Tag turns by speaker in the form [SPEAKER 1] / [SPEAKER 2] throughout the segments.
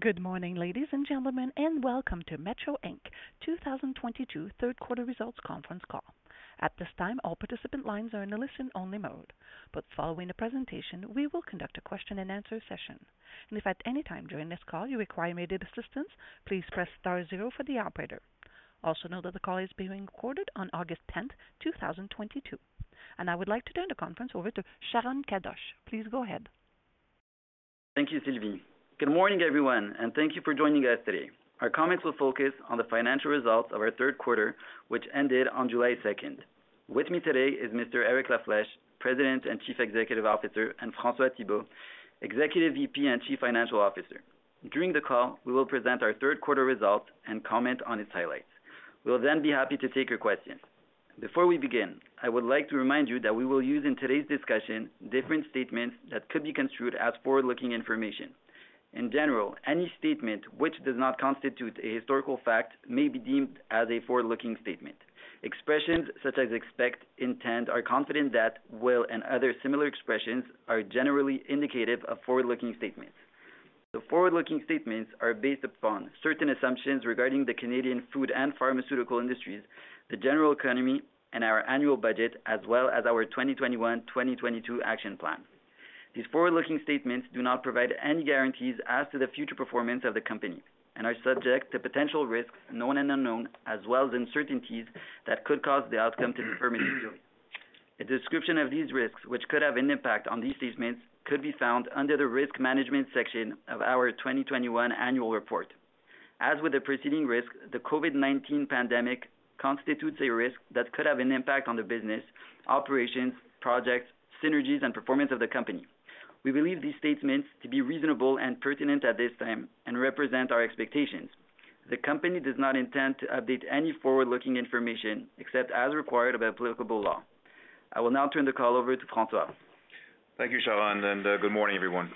[SPEAKER 1] Good morning, ladies and gentlemen, and welcome to Metro Inc. 2022 Third Quarter Results Conference Call. At this time, all participant lines are in a listen-only mode. Following the presentation, we will conduct a question-and-answer session. If at any time during this call you require immediate assistance, please press star zero for the operator. Also note that the call is being recorded on August 10, 2022. I would like to turn the conference over to Sharon Kadoche. Please go ahead.
[SPEAKER 2] Thank you, Sylvie. Good morning, everyone, and thank you for joining us today. Our comments will focus on the financial results of our third quarter, which ended on July 2nd. With me today is Mr. Eric La Flèche, President and Chief Executive Officer, and François Thibault, Executive VP and Chief Financial Officer. During the call, we will present our third quarter results and comment on its highlights. We'll then be happy to take your questions. Before we begin, I would like to remind you that we will use in today's discussion different statements that could be construed as forward-looking information. In general, any statement which does not constitute a historical fact may be deemed as a forward-looking statement. Expressions such as expect, intend, are confident that, will, and other similar expressions are generally indicative of forward-looking statements. The forward-looking statements are based upon certain assumptions regarding the Canadian food and pharmaceutical industries, the general economy, and our annual budget, as well as our 2021-2022 action plan. These forward-looking statements do not provide any guarantees as to the future performance of the company and are subject to potential risks, known and unknown, as well as uncertainties that could cause the outcome to differ materially. A description of these risks, which could have an impact on these statements, could be found under the Risk Management section of our 2021 annual report. As with the preceding risk, the COVID-19 pandemic constitutes a risk that could have an impact on the business, operations, projects, synergies, and performance of the company. We believe these statements to be reasonable and pertinent at this time and represent our expectations. The company does not intend to update any forward-looking information except as required by applicable law. I will now turn the call over to François.
[SPEAKER 3] Thank you, Sharon, and good morning, everyone.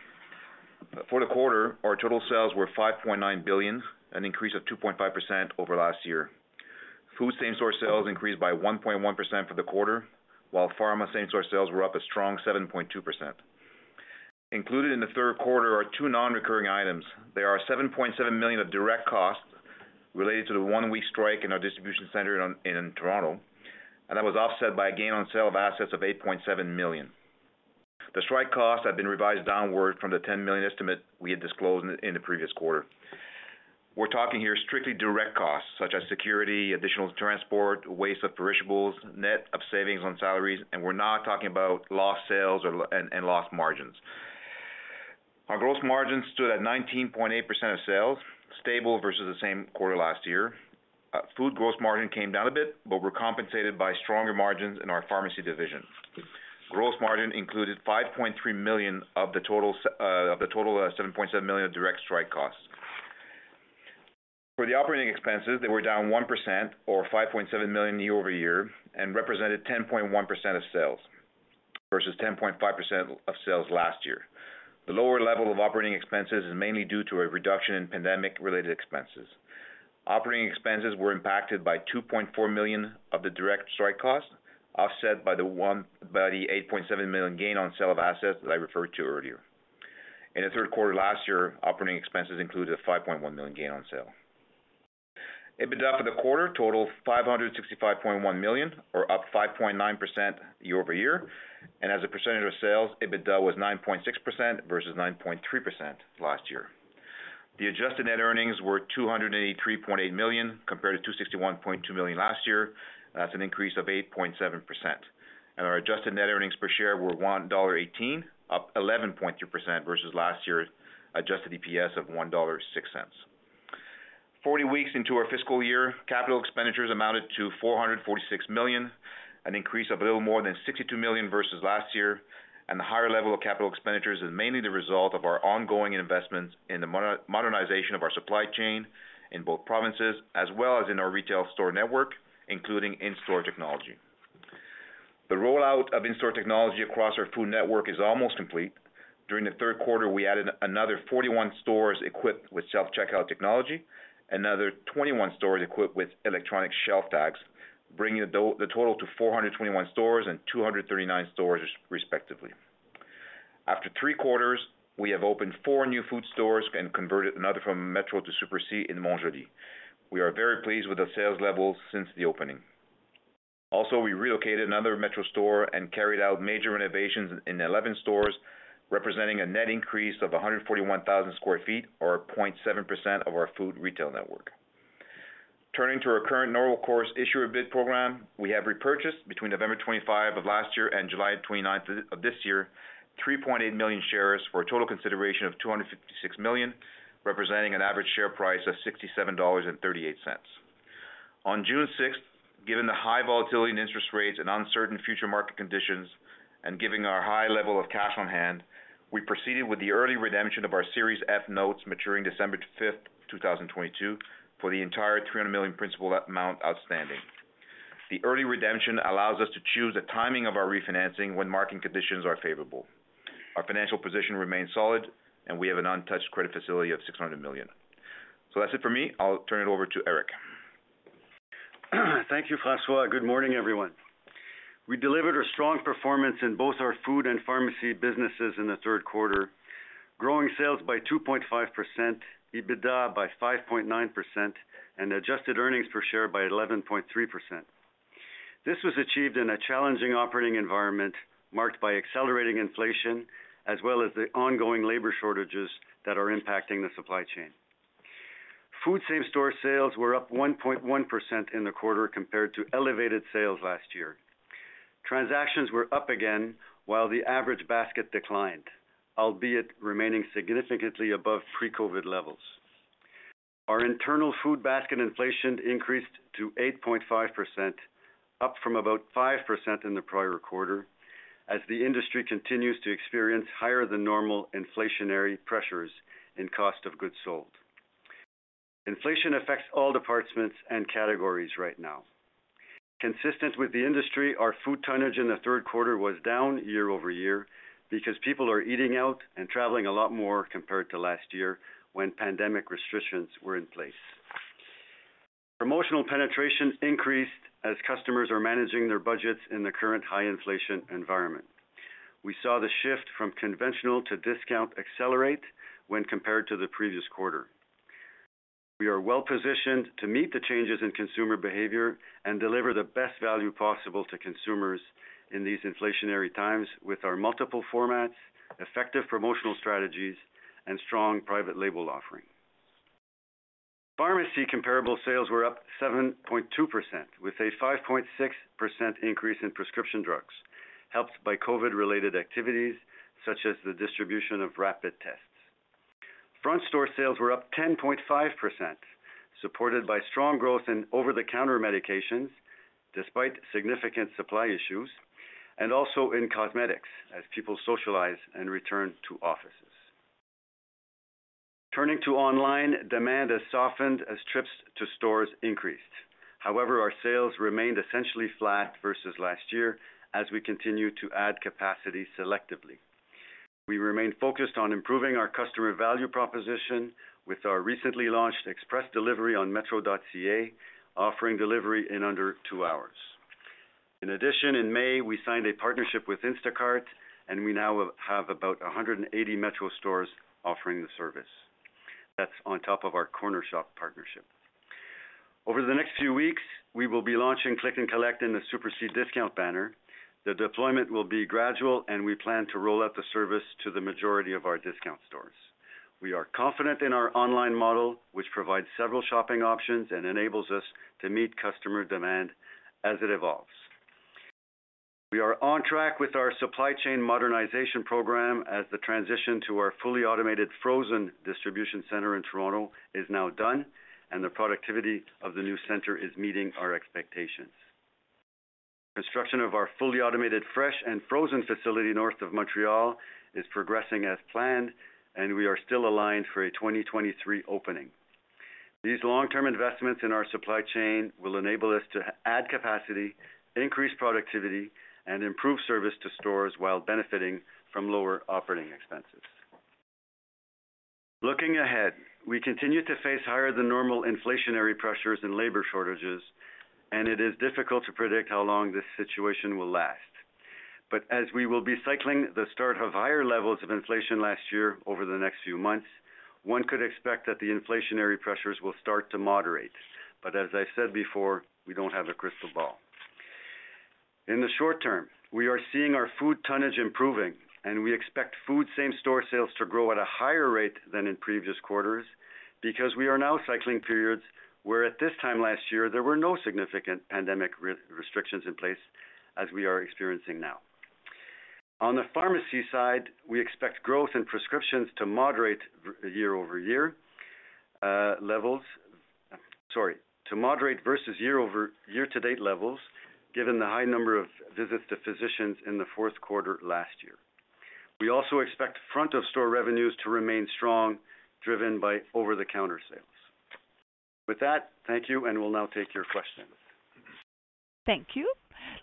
[SPEAKER 3] For the quarter, our total sales were 5.9 billion, an increase of 2.5% over last year. Food same-store sales increased by 1.1% for the quarter, while pharma same-store sales were up a strong 7.2%. Included in the third quarter are two non-recurring items. There are 7.7 million of direct costs related to the one-week strike in our distribution center in Toronto, and that was offset by a gain on sale of assets of 8.7 million. The strike costs have been revised downward from the 10 million estimate we had disclosed in the previous quarter. We're talking here strictly direct costs such as security, additional transport, waste of perishables, net of savings on salaries, and we're not talking about lost sales or lost margins. Our gross margin stood at 19.8% of sales, stable versus the same quarter last year. Food gross margin came down a bit, but were compensated by stronger margins in our pharmacy division. Gross margin included 5.3 million of the total 7.7 million of direct strike costs. For the operating expenses, they were down 1% or 5.7 million year-over-year and represented 10.1% of sales versus 10.5% of sales last year. The lower level of operating expenses is mainly due to a reduction in pandemic-related expenses. Operating expenses were impacted by 2.4 million of the direct strike costs, offset by the 8.7 million gain on sale of assets that I referred to earlier. In the third quarter last year, operating expenses included a 5.1 million gain on sale. EBITDA for the quarter totaled 565.1 million or up 5.9% year-over-year. As a percentage of sales, EBITDA was 9.6% versus 9.3% last year. The adjusted net earnings were 283.8 million compared to 261.2 million last year. That's an increase of 8.7%. Our adjusted net earnings per share were 1.18 dollar, up 11.2% versus last year's adjusted EPS of 1.06 dollar. 40 weeks into our fiscal year, capital expenditures amounted to 446 million, an increase of a little more than 62 million versus last year. The higher level of capital expenditures is mainly the result of our ongoing investments in the modernization of our supply chain in both provinces, as well as in our retail store network, including in-store technology. The rollout of in-store technology across our food network is almost complete. During the third quarter, we added another 41 stores equipped with self-checkout technology, another 21 stores equipped with electronic shelf tags, bringing the total to 421 stores and 239 stores, respectively. After three quarters, we have opened four new food stores and converted another from Metro to Super C in Mont-Joli. We are very pleased with the sales levels since the opening. Also, we relocated another Metro store and carried out major renovations in 11 stores, representing a net increase of 141,000 sq ft or 0.7% of our food retail network. Turning to our current normal course issuer bid program, we have repurchased between November 25 of last year and July 29 of this year, 3.8 million shares for a total consideration of 256 million, representing an average share price of 67.38 dollars. On June 6, given the high volatility in interest rates and uncertain future market conditions, and given our high level of cash on hand, we proceeded with the early redemption of our Series F notes maturing December 5, 2022 for the entire 300 million principal amount outstanding. The early redemption allows us to choose the timing of our refinancing when market conditions are favorable. Our financial position remains solid, and we have an untouched credit facility of 600 million. That's it for me. I'll turn it over to Eric.
[SPEAKER 4] Thank you, François. Good morning, everyone. We delivered a strong performance in both our food and pharmacy businesses in the third quarter, growing sales by 2.5%, EBITDA by 5.9% and adjusted earnings per share by 11.3%. This was achieved in a challenging operating environment marked by accelerating inflation, as well as the ongoing labor shortages that are impacting the supply chain. Food same-store sales were up 1.1% in the quarter compared to elevated sales last year. Transactions were up again while the average basket declined, albeit remaining significantly above pre-COVID levels. Our internal food basket inflation increased to 8.5%, up from about 5% in the prior quarter, as the industry continues to experience higher than normal inflationary pressures in cost of goods sold. Inflation affects all departments and categories right now. Consistent with the industry, our food tonnage in the third quarter was down year-over-year because people are eating out and traveling a lot more compared to last year when pandemic restrictions were in place. Promotional penetration increased as customers are managing their budgets in the current high inflation environment. We saw the shift from conventional to discount accelerate when compared to the previous quarter. We are well positioned to meet the changes in consumer behavior and deliver the best value possible to consumers in these inflationary times with our multiple formats, effective promotional strategies and strong private label offering. Pharmacy comparable sales were up 7.2% with a 5.6% increase in prescription drugs, helped by COVID-related activities such as the distribution of rapid tests. Front store sales were up 10.5%, supported by strong growth in over-the-counter medications despite significant supply issues, and also in cosmetics as people socialize and return to offices. Turning to online, demand has softened as trips to stores increased. However, our sales remained essentially flat versus last year as we continue to add capacity selectively. We remain focused on improving our customer value proposition with our recently launched express delivery on metro.ca offering delivery in under two hours. In addition, in May, we signed a partnership with Instacart and we now have about 180 Metro stores offering the service. That's on top of our Cornershop partnership. Over the next few weeks, we will be launching click and collect in the Super C discount banner. The deployment will be gradual and we plan to roll out the service to the majority of our discount stores. We are confident in our online model, which provides several shopping options and enables us to meet customer demand as it evolves. We are on track with our supply chain modernization program as the transition to our fully automated frozen distribution center in Toronto is now done and the productivity of the new center is meeting our expectations. Construction of our fully automated fresh and frozen facility north of Montreal is progressing as planned, and we are still aligned for a 2023 opening. These long-term investments in our supply chain will enable us to add capacity, increase productivity, and improve service to stores while benefiting from lower operating expenses. Looking ahead, we continue to face higher than normal inflationary pressures and labor shortages, and it is difficult to predict how long this situation will last. As we will be cycling the start of higher levels of inflation last year over the next few months, one could expect that the inflationary pressures will start to moderate. As I said before, we don't have a crystal ball. In the short term, we are seeing our food tonnage improving and we expect food same-store sales to grow at a higher rate than in previous quarters because we are now cycling periods where at this time last year, there were no significant pandemic restrictions in place as we are experiencing now. On the pharmacy side, we expect growth in prescriptions to moderate year-over-year levels, sorry, to moderate versus year-over-year to-date levels, given the high number of visits to physicians in the fourth quarter last year. We also expect front store revenues to remain strong, driven by over-the-counter sales. With that, thank you. We'll now take your questions.
[SPEAKER 1] Thank you.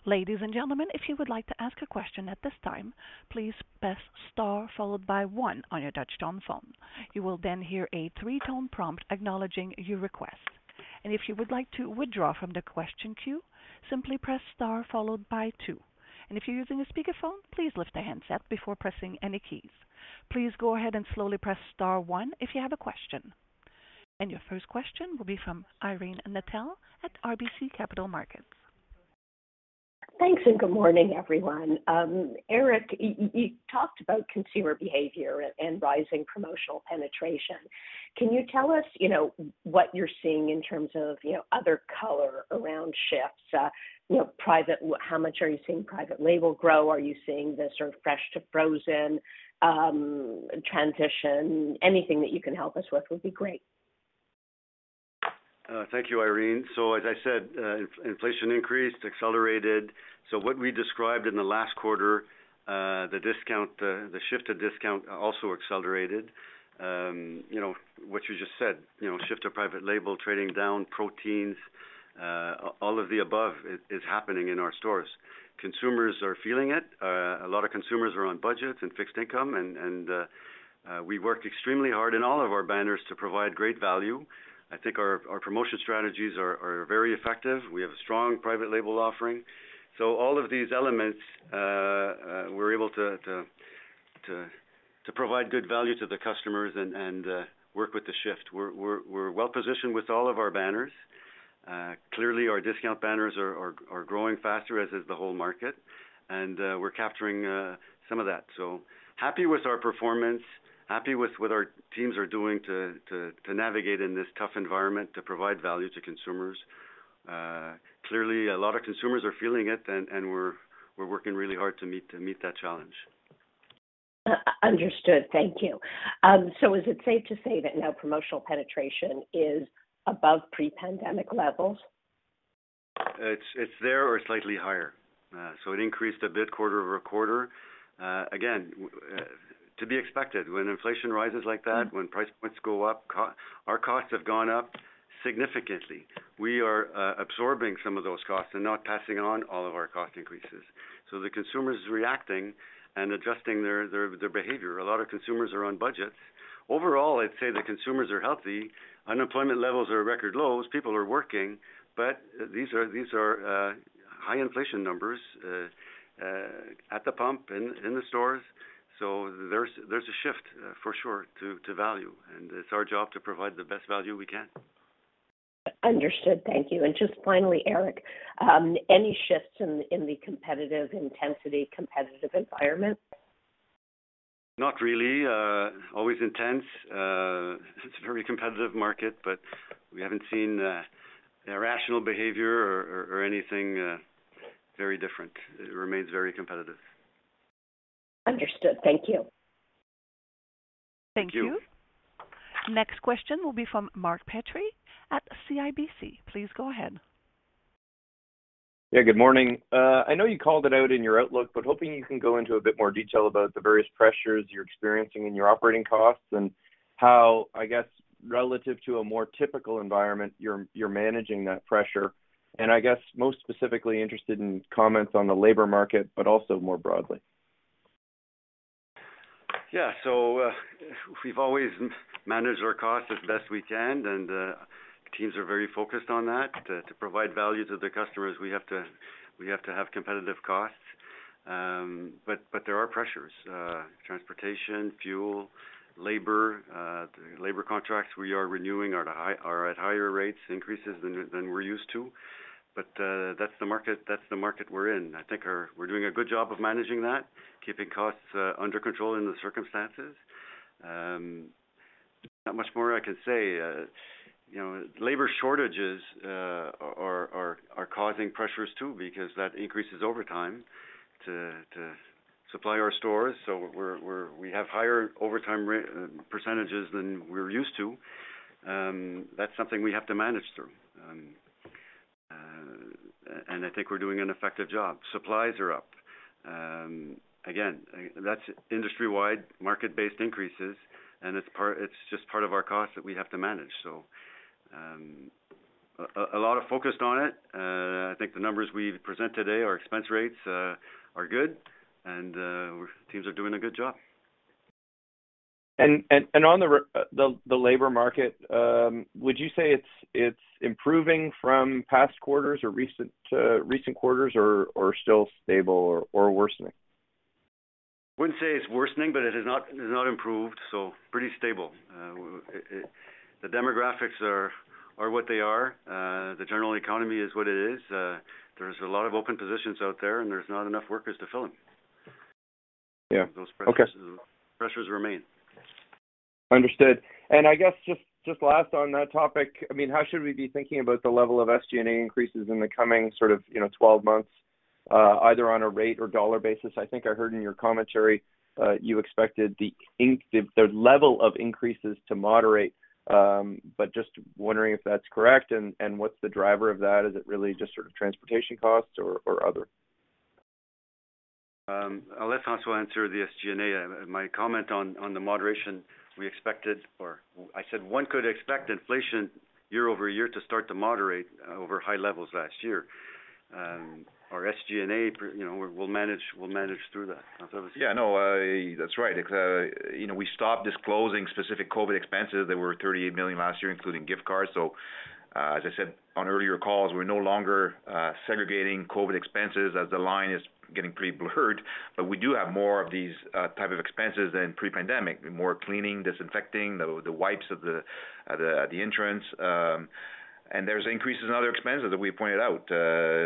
[SPEAKER 1] Ladies and gentlemen, if you would like to ask a question at this time, please press star followed by one on your touch-tone phone. You will then hear a three-tone prompt acknowledging your request. If you would like to withdraw from the question queue, simply press star followed by two. If you're using a speakerphone, please lift the handset before pressing any keys. Please go ahead and slowly press star one if you have a question. Your first question will be from Irene Nattel at RBC Capital Markets.
[SPEAKER 5] Thanks, and good morning, everyone. Eric, you talked about consumer behavior and rising promotional penetration. Can you tell us, you know, what you're seeing in terms of, you know, other color around shifts, you know, private- How much are you seeing private label grow? Are you seeing the sort of fresh to frozen transition? Anything that you can help us with would be great.
[SPEAKER 4] Thank you, Irene. As I said, inflation increased, accelerated. What we described in the last quarter, the discount, the shift to discount also accelerated. You know what you just said, you know, shift to private label, trading down proteins, all of the above is happening in our stores. Consumers are feeling it. A lot of consumers are on budgets and fixed income, and we work extremely hard in all of our banners to provide great value. I think our promotion strategies are very effective. We have a strong private label offering. All of these elements, we're able to provide good value to the customers and work with the shift. We're well positioned with all of our banners. Clearly, our discount banners are growing faster, as is the whole market, and we're capturing some of that. Happy with our performance, happy with what our teams are doing to navigate in this tough environment, to provide value to consumers. Clearly, a lot of consumers are feeling it and we're working really hard to meet that challenge.
[SPEAKER 5] Understood. Thank you. Is it safe to say that now promotional penetration is above pre-pandemic levels?
[SPEAKER 4] It's there or slightly higher. So it increased a bit quarter-over-quarter. Again, to be expected. When inflation rises like that, when price points go up, our costs have gone up significantly. We are absorbing some of those costs and not passing on all of our cost increases. So the consumer's reacting and adjusting their behavior. A lot of consumers are on budgets. Overall, I'd say the consumers are healthy. Unemployment levels are at record lows. People are working. But these are high inflation numbers at the pump, in the stores. So there's a shift for sure to value, and it's our job to provide the best value we can.
[SPEAKER 5] Understood. Thank you. Just finally, Eric, any shifts in the competitive intensity, competitive environment?
[SPEAKER 4] Not really. Always intense. It's a very competitive market, but we haven't seen irrational behavior or anything very different. It remains very competitive.
[SPEAKER 5] Understood. Thank you.
[SPEAKER 4] Thank you.
[SPEAKER 1] Thank you. Next question will be from Mark Petrie at CIBC. Please go ahead.
[SPEAKER 6] Yeah, good morning. I know you called it out in your outlook, but hoping you can go into a bit more detail about the various pressures you're experiencing in your operating costs and how, I guess, relative to a more typical environment, you're managing that pressure. I guess most specifically interested in comments on the labor market, but also more broadly.
[SPEAKER 4] We've always managed our costs as best we can, and teams are very focused on that. To provide value to the customers we have to have competitive costs. There are pressures, transportation, fuel, labor, the labor contracts we are renewing are at higher rates increases than we're used to. That's the market we're in. I think we're doing a good job of managing that, keeping costs under control in the circumstances. Not much more I can say. You know, labor shortages are causing pressures too, because that increases over time to supply our stores, so we have higher overtime percentages than we're used to. That's something we have to manage through. I think we're doing an effective job. Supplies are up. Again, that's industry-wide, market-based increases, and it's just part of our cost that we have to manage. A lot of focus on it. I think the numbers we've presented today, our expense rates, are good and teams are doing a good job.
[SPEAKER 6] On the labor market, would you say it's improving from past quarters or recent quarters or still stable or worsening?
[SPEAKER 4] Wouldn't say it's worsening, but it has not improved, so pretty stable. The demographics are what they are. The general economy is what it is. There's a lot of open positions out there, and there's not enough workers to fill them.
[SPEAKER 6] Yeah. Okay.
[SPEAKER 4] Those pressures remain.
[SPEAKER 6] Understood. I guess just last on that topic, I mean, how should we be thinking about the level of SG&A increases in the coming sort of, you know, 12 months, either on a rate or dollar basis? I think I heard in your commentary, you expected the level of increases to moderate, but just wondering if that's correct and what's the driver of that? Is it really just sort of transportation costs or other?
[SPEAKER 4] I'll let François answer the SG&A. My comment on the moderation we expected. I said one could expect inflation year-over-year to start to moderate over high levels last year. Our SG&A, you know, we'll manage through that. François?
[SPEAKER 3] Yeah, no. That's right. It's, you know, we stopped disclosing specific COVID expenses. They were 38 million last year, including gift cards. As I said on earlier calls, we're no longer segregating COVID expenses as the line is getting pretty blurred. We do have more of these type of expenses than pre-pandemic. More cleaning, disinfecting, the wipes at the entrance. And there's increases in other expenses that we pointed out,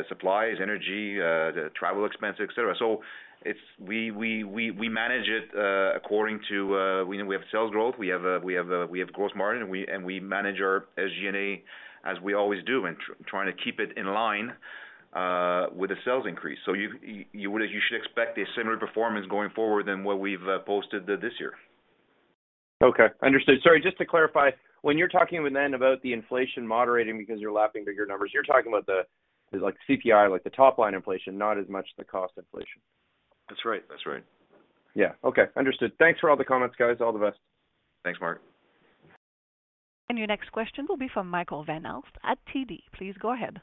[SPEAKER 3] supplies, energy, the travel expenses, et cetera. We manage it according to we know we have sales growth. We have gross margin, and we manage our SG&A as we always do, and trying to keep it in line with the sales increase. You should expect a similar performance going forward to what we've posted this year.
[SPEAKER 6] Okay, understood. Sorry, just to clarify, when you're talking then about the inflation moderating because you're lapping bigger numbers, you're talking about the, like, CPI, like the top line inflation, not as much the cost inflation.
[SPEAKER 3] That's right. That's right.
[SPEAKER 6] Yeah. Okay, understood. Thanks for all the comments, guys. All the best.
[SPEAKER 3] Thanks, Mark.
[SPEAKER 1] Your next question will be from Michael Van Aelst at TD. Please go ahead.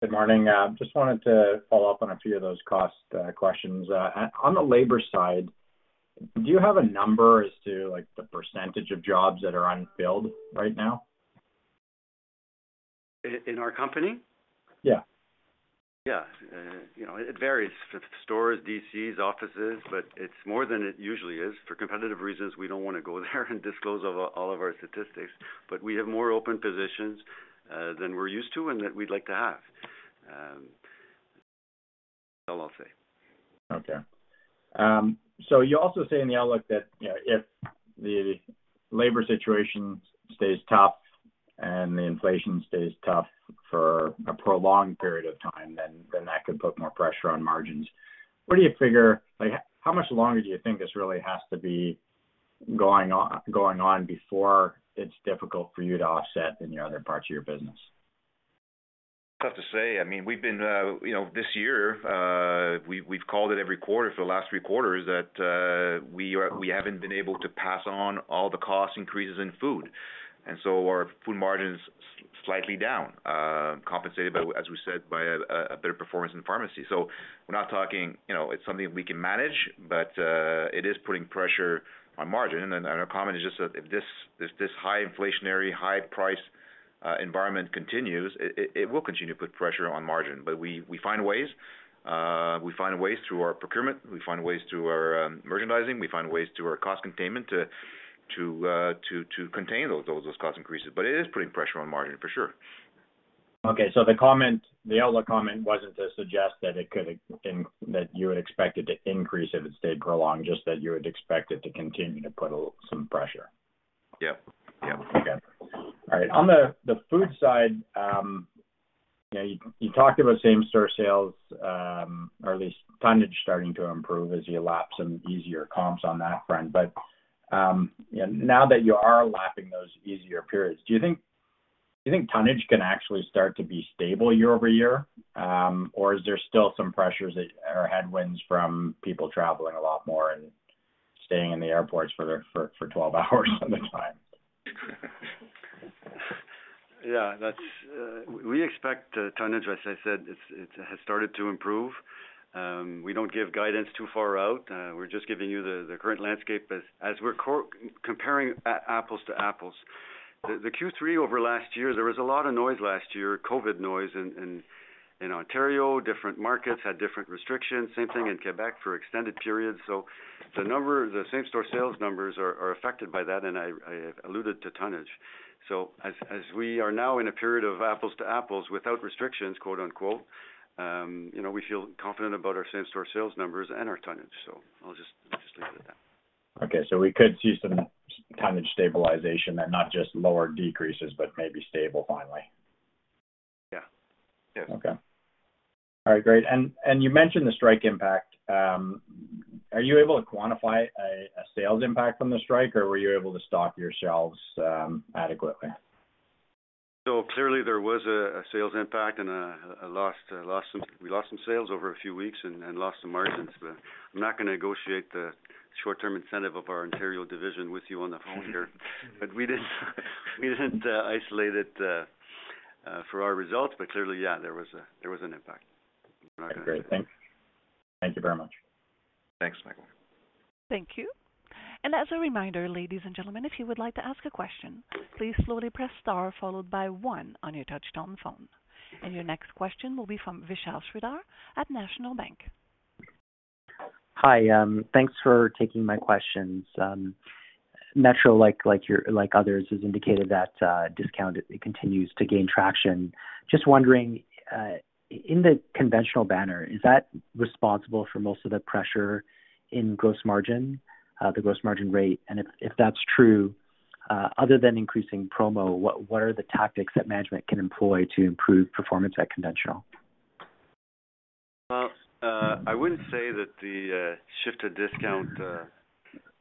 [SPEAKER 7] Good morning. Just wanted to follow up on a few of those cost questions. On the labor side, do you have a number as to like the percentage of jobs that are unfilled right now?
[SPEAKER 4] In our company?
[SPEAKER 7] Yeah.
[SPEAKER 4] Yeah. You know, it varies for stores, DCs, offices, but it's more than it usually is. For competitive reasons, we don't wanna go there and disclose all of our statistics, but we have more open positions than we're used to and than we'd like to have. That's all I'll say.
[SPEAKER 7] Okay. You also say in the outlook that, you know, if the labor situation stays tough and the inflation stays tough for a prolonged period of time, then that could put more pressure on margins. What do you figure, like, how much longer do you think this really has to be going on before it's difficult for you to offset in your other parts of your business?
[SPEAKER 3] It's tough to say. I mean, we've been, you know, this year, we've called it every quarter for the last three quarters that we haven't been able to pass on all the cost increases in food. Our food margin's slightly down, compensated by, as we said, by a better performance in pharmacy. We're not talking, you know, it's something we can manage, but it is putting pressure on margin. Our comment is just that if this high inflationary, high price environment continues, it will continue to put pressure on margin. We find ways. We find ways through our procurement, we find ways through our merchandising, we find ways through our cost containment to contain those cost increases. It is putting pressure on margin for sure.
[SPEAKER 7] The earlier comment wasn't to suggest that you had expected it to increase if it stayed prolonged, just that you had expected to continue to put some pressure.
[SPEAKER 3] Yeah. Yeah.
[SPEAKER 7] Okay. All right. On the food side, you know, you talked about same-store sales, or at least tonnage starting to improve as you lap some easier comps on that front. Now that you are lapping those easier periods, do you think tonnage can actually start to be stable year-over-year, or is there still some pressures or headwinds from people traveling a lot more and staying in the airports for 12 hours sometimes?
[SPEAKER 4] Yeah, that's, we expect the tonnage. As I said, it has started to improve. We don't give guidance too far out, we're just giving you the current landscape as we're comparing apples to apples. The Q3 over last year, there was a lot of noise last year, COVID noise in Ontario. Different markets had different restrictions. Same thing in Quebec for extended periods. The same-store sales numbers are affected by that, and I alluded to tonnage. So as we are now in a period of apples to apples without restrictions, quote-unquote, you know, we feel confident about our same-store sales numbers and our tonnage. I'll just leave it at that.
[SPEAKER 7] Okay. We could see some tonnage stabilization, and not just lower decreases, but maybe stable finally.
[SPEAKER 4] Yeah. Yes.
[SPEAKER 7] Okay. All right, great. You mentioned the strike impact. Are you able to quantify a sales impact from the strike, or were you able to stock your shelves adequately?
[SPEAKER 4] Clearly there was a sales impact and we lost some sales over a few weeks and lost some margins. I'm not gonna negotiate the short-term incentive of our Ontario division with you on the phone here. We didn't isolate it for our results. Clearly, yeah, there was an impact.
[SPEAKER 7] Okay, great. Thank you very much.
[SPEAKER 4] Thanks, Michael.
[SPEAKER 1] Thank you. As a reminder, ladies and gentlemen, if you would like to ask a question, please slowly press star followed by one on your touchtone phone. Your next question will be from Vishal Shreedhar at National Bank.
[SPEAKER 8] Hi. Thanks for taking my questions. Metro, like others, has indicated that discounting continues to gain traction. Just wondering, in the conventional banner, is that responsible for most of the pressure in gross margin, the gross margin rate? If that's true, other than increasing promo, what are the tactics that management can employ to improve performance at conventional?
[SPEAKER 4] Well, I wouldn't say that the shift to discount,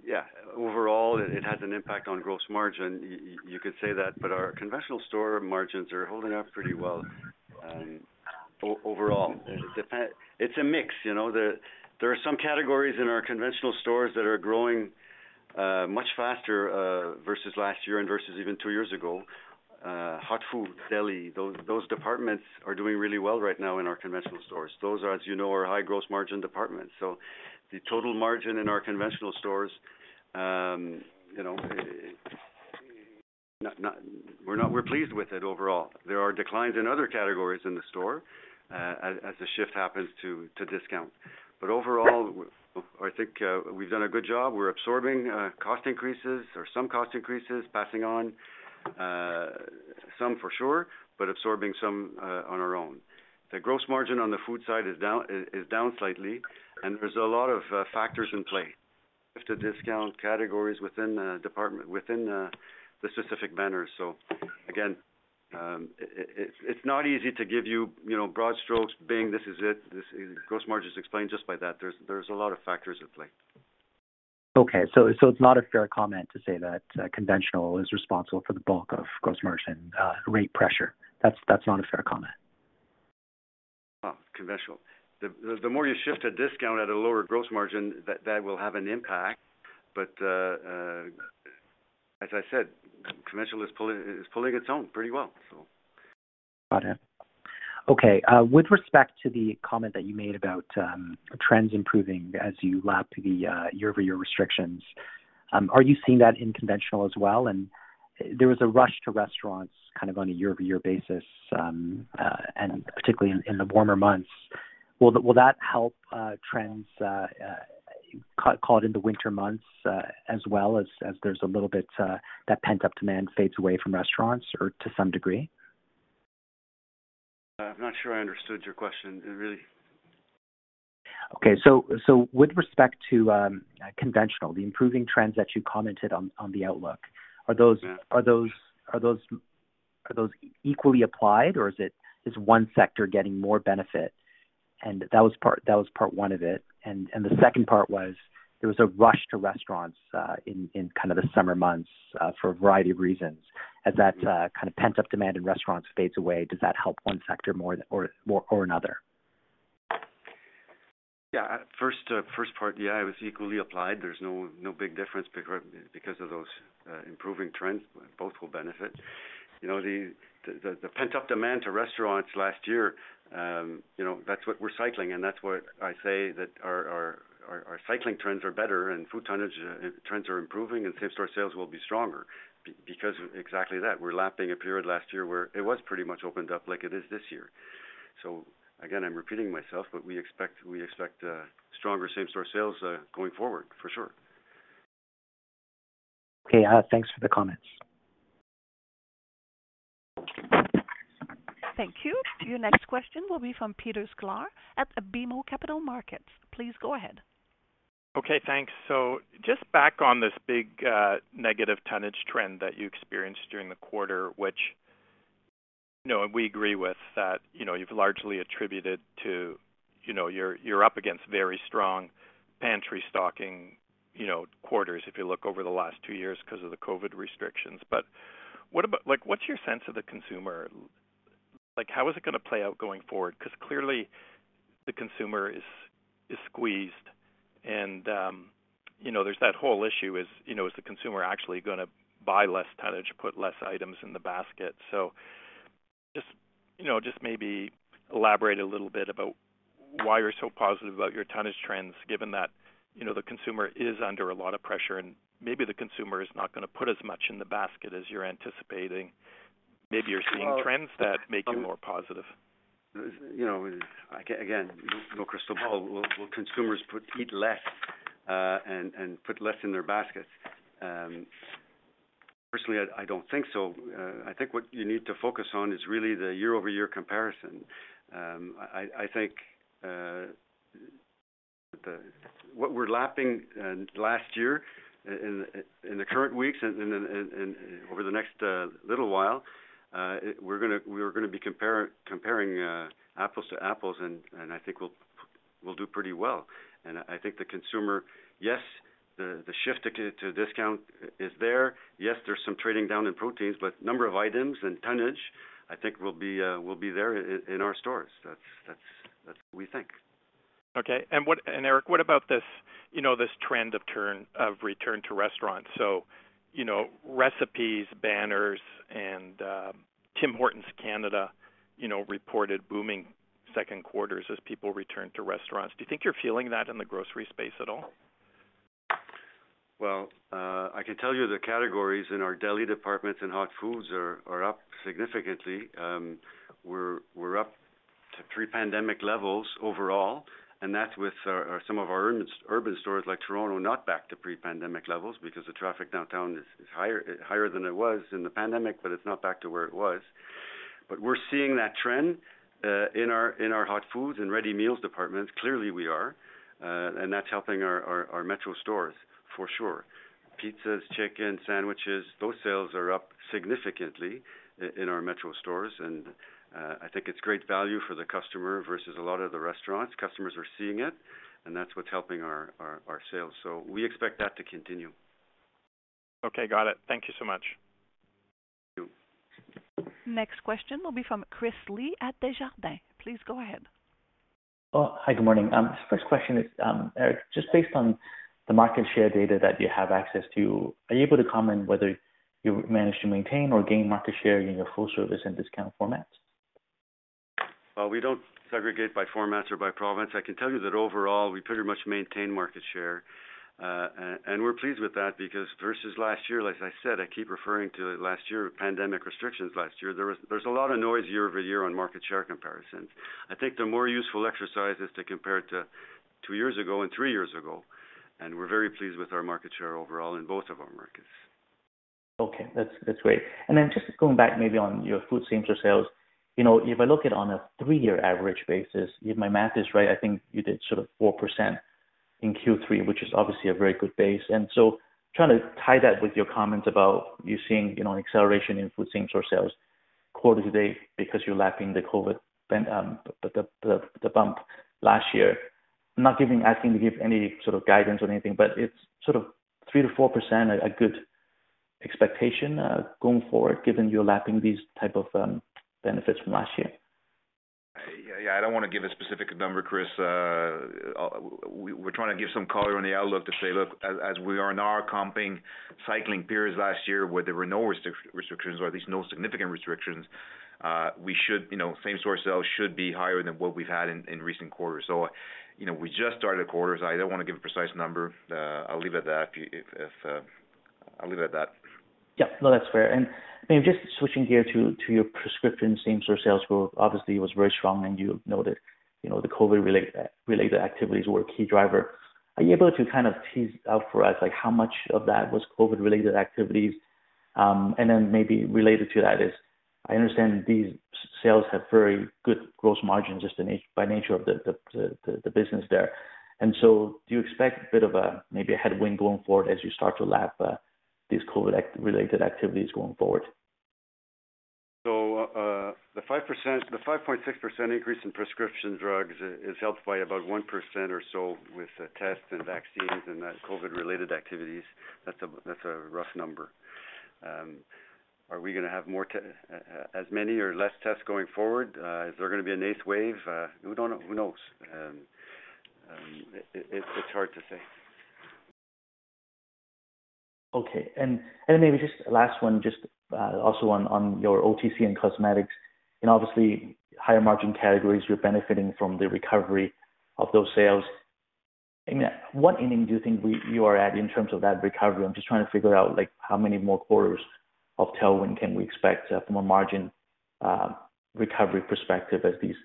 [SPEAKER 4] yeah, overall it has an impact on gross margin. You could say that, but our conventional store margins are holding up pretty well, overall. It's a mix, you know. There are some categories in our conventional stores that are growing much faster versus last year and versus even two years ago. Hot food, deli, those departments are doing really well right now in our conventional stores. Those are, as you know, our high gross margin departments. The total margin in our conventional stores, you know, we're pleased with it overall. There are declines in other categories in the store, as the shift happens to discount. Overall, I think, we've done a good job. We're absorbing some cost increases, passing on some for sure, but absorbing some on our own. The gross margin on the food side is down slightly, and there's a lot of factors at play in the discount categories within departments within the specific banners. Again, it's not easy to give you know, broad strokes, being this is it. This is gross margins explained just by that. There's a lot of factors at play.
[SPEAKER 8] It's not a fair comment to say that conventional is responsible for the bulk of gross margin rate pressure. That's not a fair comment.
[SPEAKER 4] Conventional. The more you shift a discount at a lower gross margin, that will have an impact. As I said, conventional is pulling its own pretty well, so.
[SPEAKER 8] Got it. Okay, with respect to the comment that you made about, trends improving as you lap the, year-over-year restrictions, are you seeing that in conventional as well? There was a rush to restaurants kind of on a year-over-year basis, and particularly in the warmer months. Will that help trends called in the winter months, as well as there's a little bit, that pent-up demand fades away from restaurants or to some degree?
[SPEAKER 4] I'm not sure I understood your question really.
[SPEAKER 8] With respect to conventional, the improving trends that you commented on the outlook, are those?
[SPEAKER 4] Yeah.
[SPEAKER 8] Are those equally applied or is it just one sector getting more benefit? That was part one of it. The second part was, there was a rush to restaurants in kind of the summer months for a variety of reasons. As that kind of pent-up demand in restaurants fades away, does that help one sector more or another?
[SPEAKER 4] Yeah. First part, yeah, it was equally applied. There's no big difference because of those improving trends, both will benefit. You know, the pent-up demand to restaurants last year, you know, that's what we're cycling and that's what I say that our cycling trends are better and food tonnage trends are improving, and same-store sales will be stronger because of exactly that. We're lapping a period last year where it was pretty much opened up like it is this year. Again, I'm repeating myself, but we expect stronger same-store sales going forward for sure.
[SPEAKER 8] Okay. Thanks for the comments.
[SPEAKER 1] Thank you. Your next question will be from Peter Sklar at BMO Capital Markets. Please go ahead.
[SPEAKER 9] Okay, thanks. Just back on this big, negative tonnage trend that you experienced during the quarter, which, you know, and we agree with that, you know, you've largely attributed to, you know, you're up against very strong pantry stocking, you know, quarters if you look over the last two years 'cause of the COVID restrictions. What about, like, what's your sense of the consumer? Like, how is it gonna play out going forward? 'Cause clearly the consumer is squeezed and, you know, there's that whole issue is, you know, is the consumer actually gonna buy less tonnage, put less items in the basket? Just, you know, just maybe elaborate a little bit about why you're so positive about your tonnage trends, given that, you know, the consumer is under a lot of pressure and maybe the consumer is not gonna put as much in the basket as you're anticipating. Maybe you're seeing trends that make you more positive.
[SPEAKER 4] You know, again, no crystal ball. Will consumers eat less and put less in their baskets? Personally, I don't think so. I think what you need to focus on is really the year-over-year comparison. I think what we're lapping last year in the current weeks and over the next little while, we're gonna be comparing apples to apples and I think we'll do pretty well. I think the consumer, yes, the shift to discount is there. Yes, there's some trading down in proteins, but number of items and tonnage I think will be there in our stores. That's what we think.
[SPEAKER 9] Eric, what about this, you know, this trend of return to restaurants? You know, Recipe's banners and Tim Hortons Canada reported booming second quarters as people return to restaurants. Do you think you're feeling that in the grocery space at all?
[SPEAKER 4] I can tell you the categories in our deli departments and hot foods are up significantly. We're up to pre-pandemic levels overall, and that's with some of our urban stores like Toronto not back to pre-pandemic levels because the traffic downtown is higher than it was in the pandemic, but it's not back to where it was. We're seeing that trend in our hot foods and ready meals departments. Clearly we are, and that's helping our Metro stores for sure. Pizzas, chicken, sandwiches, those sales are up significantly in our Metro stores. I think it's great value for the customer versus a lot of the restaurants. Customers are seeing it, and that's what's helping our sales. We expect that to continue.
[SPEAKER 9] Okay, got it. Thank you so much.
[SPEAKER 4] Thank you.
[SPEAKER 1] Next question will be from Chris Li at Desjardins. Please go ahead.
[SPEAKER 10] Oh, hi, good morning. First question is, Eric, just based on the market share data that you have access to, are you able to comment whether you managed to maintain or gain market share in your food service and discount formats?
[SPEAKER 4] Well, we don't segregate by formats or by province. I can tell you that overall we pretty much maintain market share, and we're pleased with that because versus last year, like as I said, I keep referring to last year, pandemic restrictions last year, there's a lot of noise year-over-year on market share comparisons. I think the more useful exercise is to compare it to two years ago and three years ago, and we're very pleased with our market share overall in both of our markets.
[SPEAKER 10] Okay, that's great. Just going back maybe on your food same-store sales. You know, if I look it on a three-year average basis, if my math is right, I think you did sort of 4% in Q3, which is obviously a very good base. Trying to tie that with your comments about you seeing, you know, acceleration in food same-store sales quarter-to-date because you're lapping the COVID, the bump last year. Not asking to give any sort of guidance or anything, but it's sort of 3%-4% a good expectation going forward, given you're lapping these type of benefits from last year?
[SPEAKER 3] Yeah. I don't wanna give a specific number, Chris. We're trying to give some color on the outlook to say, look, as we are now comping cycling periods last year where there were no restrictions or at least no significant restrictions. We should, you know, same-store sales should be higher than what we've had in recent quarters. You know, we just started a quarter. I don't wanna give a precise number. I'll leave it at that.
[SPEAKER 10] Yeah. No, that's fair. Maybe just switching gears to your prescription same-store sales growth, obviously was very strong, and you noted, you know, the COVID-related activities were a key driver. Are you able to kind of tease out for us, like how much of that was COVID-related activities? Then maybe related to that is I understand these sales have very good gross margins just in and by nature of the business there. Do you expect a bit of a, maybe a headwind going forward as you start to lap these COVID-related activities going forward?
[SPEAKER 4] The 5%, the 5.6% increase in prescription drugs is helped by about 1% or so with tests and vaccines and that COVID-related activities. That's a rough number. Are we gonna have more tests, as many or less tests going forward? Is there gonna be an eighth wave? We don't know. Who knows? It's hard to say.
[SPEAKER 10] Maybe just last one, just also on your OTC and cosmetics and obviously higher margin categories, you're benefiting from the recovery of those sales. I mean, what inning do you think you are at in terms of that recovery? I'm just trying to figure out, like, how many more quarters of tailwind can we expect from a margin recovery perspective as these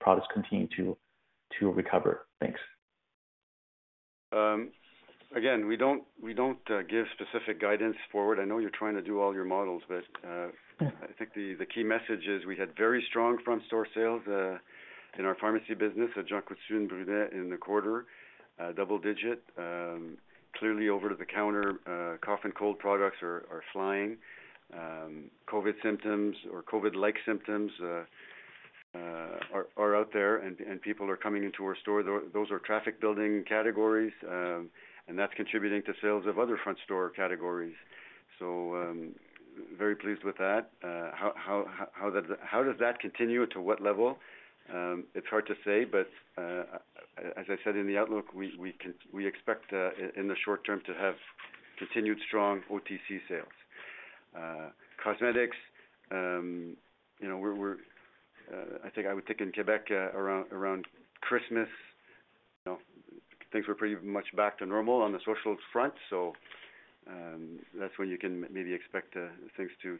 [SPEAKER 10] products continue to recover? Thanks.
[SPEAKER 4] Again, we don't give specific guidance forward. I know you're trying to do all your models, but.
[SPEAKER 10] Yeah
[SPEAKER 4] I think the key message is we had very strong front store sales in our pharmacy business at Jean Coutu and Brunet in the quarter, double-digit. Clearly over-the-counter cough and cold products are flying. COVID symptoms or COVID-like symptoms are out there and people are coming into our store. Those are traffic-building categories, and that's contributing to sales of other front store categories. Very pleased with that. How does that continue? To what level? It's hard to say, but as I said in the outlook, we expect in the short term to have continued strong OTC sales. Cosmetics, you know, we're I think I would think in Québec around Christmas, you know, things were pretty much back to normal on the social front. That's when you can maybe expect things to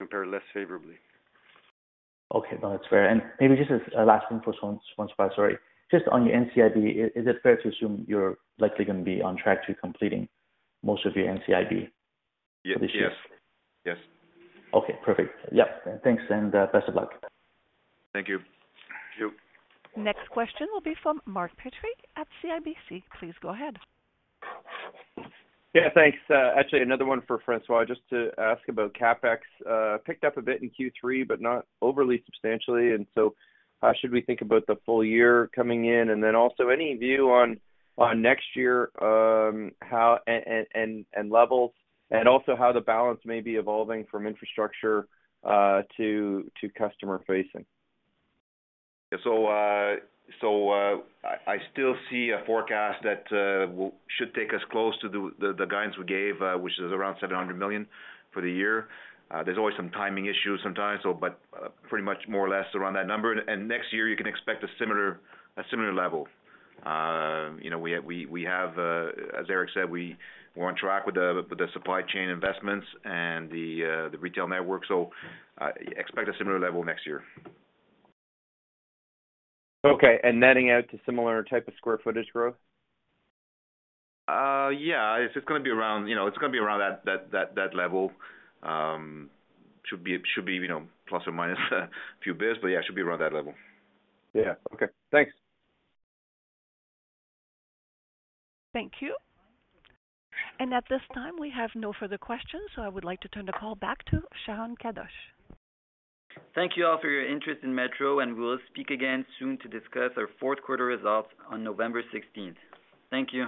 [SPEAKER 4] compare less favorably.
[SPEAKER 10] Okay. No, that's fair. Maybe just as a last one for François, sorry. Just on your NCIB, is it fair to assume you're likely gonna be on track to completing most of your NCIB this year?
[SPEAKER 3] Yes. Yes.
[SPEAKER 10] Okay, perfect. Yep. Thanks, and best of luck.
[SPEAKER 3] Thank you.
[SPEAKER 4] Thank you.
[SPEAKER 1] Next question will be from Mark Petrie at CIBC. Please go ahead.
[SPEAKER 6] Yeah, thanks. Actually another one for François, just to ask about CapEx. Picked up a bit in Q3, but not overly substantially, and so how should we think about the full year coming in? Also any view on next year, how and levels, and also how the balance may be evolving from infrastructure to customer facing?
[SPEAKER 3] I still see a forecast that should take us close to the guidance we gave, which is around 700 million for the year. There's always some timing issues sometimes, but pretty much more or less around that number. Next year you can expect a similar level. You know, we have, as Eric said, we're on track with the supply chain investments and the retail network. Expect a similar level next year.
[SPEAKER 6] Okay. Netting out to similar type of square footage growth?
[SPEAKER 3] Yeah, it's just gonna be around, you know, it's gonna be around that level. It should be, you know, plus or minus a few basis points, but yeah, it should be around that level.
[SPEAKER 6] Yeah. Okay. Thanks.
[SPEAKER 1] Thank you. At this time, we have no further questions, so I would like to turn the call back to Sharon Kadoche.
[SPEAKER 2] Thank you all for your interest in Metro, and we will speak again soon to discuss our fourth quarter results on November 16th. Thank you.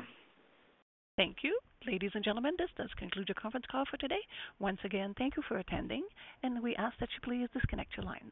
[SPEAKER 1] Thank you. Ladies and gentlemen, this does conclude your conference call for today. Once again, thank you for attending, and we ask that you please disconnect your lines.